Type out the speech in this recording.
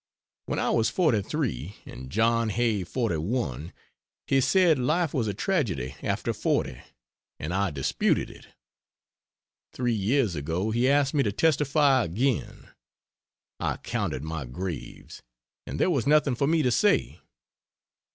When I was 43 and John Hay 41 he said life was a tragedy after 40, and I disputed it. Three years ago he asked me to testify again: I counted my graves, and there was nothing for me to say.